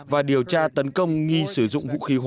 và điều tra tấn công nghi sử